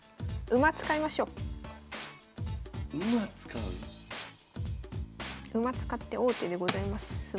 馬使って王手でございます。